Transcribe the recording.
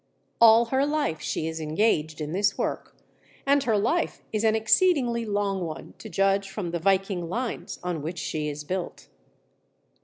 All her life she is engaged in this work, and her life is an exceedingly long one, to judge from the Viking lines on which she is built.